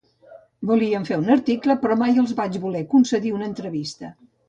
Volien fer un article però mai els vaig voler concedir cap entrevista